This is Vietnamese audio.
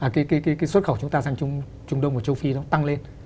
cái xuất khẩu chúng ta sang trung đông và châu phi nó tăng lên